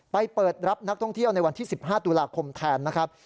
เปิดรับนักท่องเที่ยวในวันที่๑๕ตุลาคมแทนนะครับ